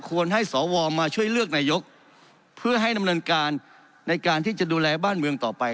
ให้สวมาช่วยเลือกนายกเพื่อให้ดำเนินการในการที่จะดูแลบ้านเมืองต่อไป